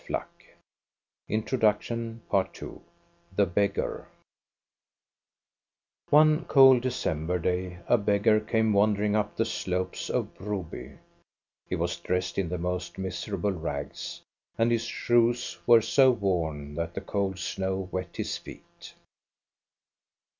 12 INTRODUCTION II THE BEGGAR One cold December day a beggar came wandering up the slopes of Broby. He was dressed in the most miserable rags, and his shoes were so worn that the cold snow wet his feet.